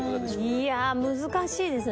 いや難しいですね。